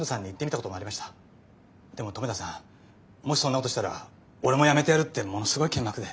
でも留田さんもしそんなことしたら俺も辞めてやるってものすごいけんまくで。